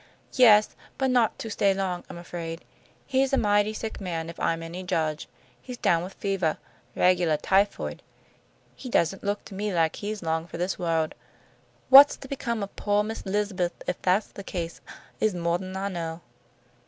"Yes, but not to stay long, I'm afraid. He's a mighty sick man, if I'm any judge. He's down with fevah, regulah typhoid. He doesn't look to me like he's long for this world. What's to become of poah Miss 'Lizabeth if that's the case, is moah'n I know."